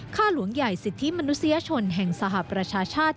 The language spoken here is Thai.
ค่าหลวงใหญ่สิทธิมนุษยชนแห่งสหประชาชาติ